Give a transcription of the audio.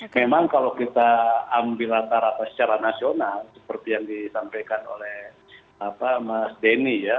memang kalau kita ambil antara secara nasional seperti yang ditampilkan oleh mas denny ya